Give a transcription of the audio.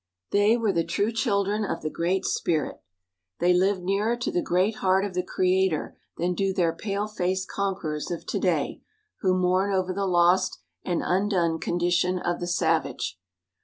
They were the true children of the Great Spirit. They lived nearer to the great heart of the Creator than do their pale faced conquerors of to day who mourn over the lost and undone condition of the savage.